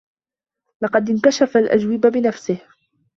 لقد اكنشف الأجوبة بنفسه.